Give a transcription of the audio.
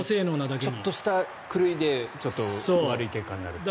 Ｆ１もちょっとした狂いで悪い結果になる。